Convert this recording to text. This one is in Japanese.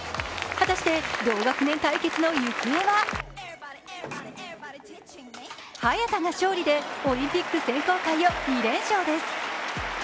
果たして、同学年対決の行方は早田が勝利でオリンピック選考会を２連勝です。